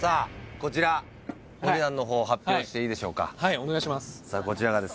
こちらお値段の方発表していいでしょうかはいお願いします